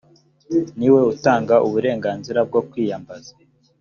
niwe utanga uburenganzira bwo kwiyambaza